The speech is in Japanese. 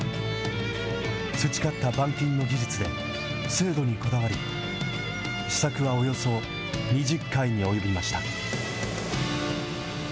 培った板金の技術で精度にこだわり、試作はおよそ２０回に及びました。